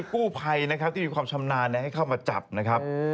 กู้ภัยนะครับที่มีความชำนาญให้เข้ามาจับนะครับ